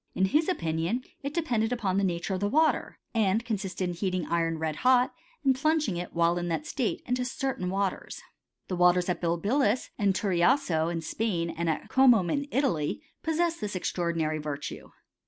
In his opi nion it depended upon the nature of the water, and consisted in heating iron red hot, and plunging it, while in that state, into certain waters. The waters at Bilbilis and Turiasso, in Spain, and at Comum, in Italy, possessed this extraordinary virtue.